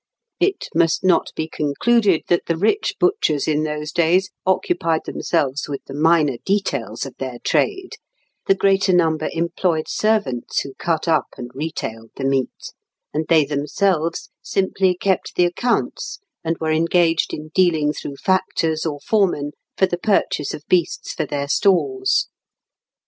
It must not be concluded that the rich butchers in those days occupied themselves with the minor details of their trade; the greater number employed servants who cut up and retailed the meat, and they themselves simply kept the accounts, and were engaged in dealing through factors or foremen for the purchase of beasts for their stalls (Fig.